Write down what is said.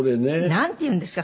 なんていうんですか？